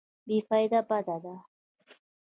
بې فایده بد دی.